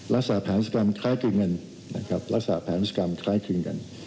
รักษาแผนศักรรมคล้ายกลางกันนะครับรักษาแผนศักรรมคล้ายกลางกัน